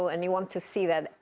dan anda ingin melihat